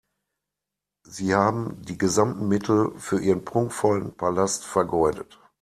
Sie haben die gesamten Mittel für Ihren prunkvollen Palast vergeudet.